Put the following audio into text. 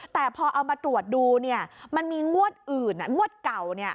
แต่พอเอามาตรวจดูเนี่ยมันมีงวดอื่นงวดเก่าเนี่ย